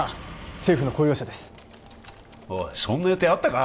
政府の公用車ですおいそんな予定あったか？